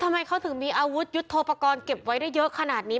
ทำไมเขาถึงมีอาวุธยุทธโปรกรณ์เก็บไว้ได้เยอะขนาดนี้